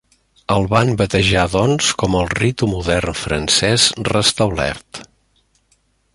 El van batejar doncs com el Ritu Modern francès Restablert.